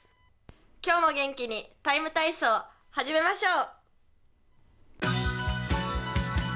今日も元気に「ＴＩＭＥ，体操」始めましょう！